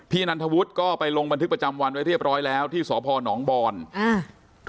นันทวุฒิก็ไปลงบันทึกประจำวันไว้เรียบร้อยแล้วที่สพนบอนอ่า